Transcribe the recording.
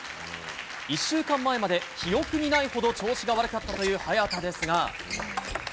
１週間前まで記憶にないほど調子が悪かったという早田ですが。